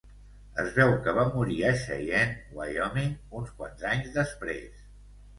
Es veu que va morir a Cheyenne, Wyoming, uns quants anys després.